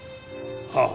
ああ。